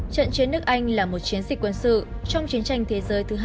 trận chiến nước anh là một chiến dịch quân sự trong chiến tranh thế giới thứ hai